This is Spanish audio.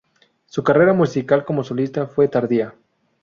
Su carrera musical como solista fue tardía.